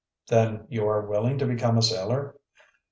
"Then you are willing to become a sailor?"